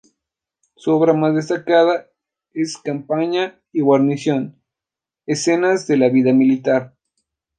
Su obra más destacada es "Campaña y guarnición, escenas de la vida militar".